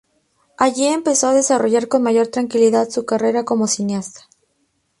Allí empezó a desarrollar con mayor tranquilidad su carrera como cineasta.